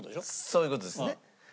そういう事ですね。